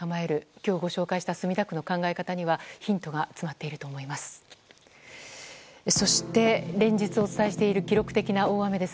今日ご紹介した墨田区の考え方にはヒントが詰まっていると思います。